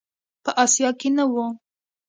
په آسیا کې نه و.